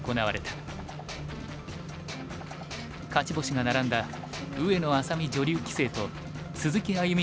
勝ち星が並んだ上野愛咲美女流棋聖と鈴木歩七段のプレーオフ。